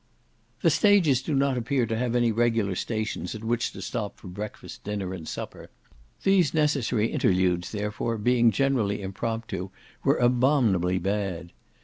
The stages do not appear to have any regular stations at which to stop for breakfast, dinner, and supper. These necessary interludes, therefore, being generally impromptu, were abominably bad.